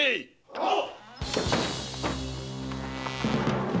はっ！